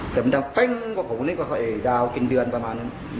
แต่มันทำแป้งประมาณนี้ก็ดาวกินเดือนประมาณนั้น